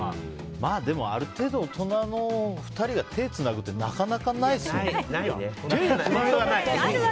でも、ある程度大人の２人が手をつなぐってなかなかないですよね。